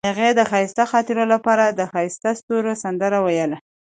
هغې د ښایسته خاطرو لپاره د ښایسته ستوري سندره ویله.